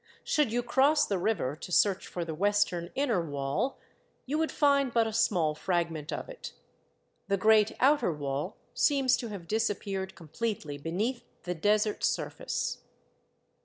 Should you cross the river to search for the western inner wall, you would find but a small fragment of it. The great outer wall seems to have disappeared completely beneath the desert surface.